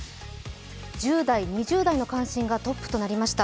１０代２０代の関心がトップとなりました。